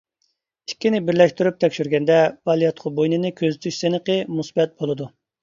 ئىككىنى بىرلەشتۈرۈپ تەكشۈرگەندە بالىياتقۇ بوينىنى كۆزىتىش سىنىقى مۇسبەت بولىدۇ.